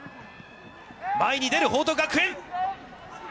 前に出る報徳学園。